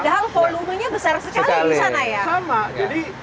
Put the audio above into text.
padahal volumenya besar sekali di sana ya